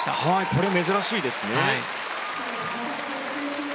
これは珍しいですね。